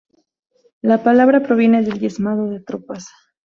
La palabra proviene del diezmado de tropas.